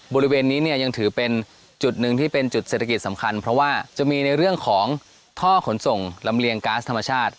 บริเวณนี้เนี่ยยังถือเป็นจุดหนึ่งที่เป็นจุดเศรษฐกิจสำคัญเพราะว่าจะมีในเรื่องของท่อขนส่งลำเลียงก๊าซธรรมชาติ